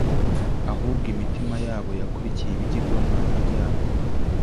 ahubwo imitima yabo yakurikiye ibigirwamana byabo